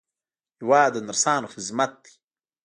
هېواد د نرسانو خدمت دی.